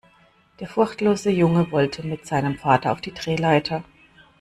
Der furchtlose Junge wollte mit seinem Vater auf die Drehleiter.